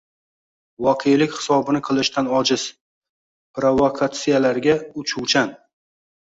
voqelik hisobini qilishdan ojiz, provokatsiyalarga uchuvchan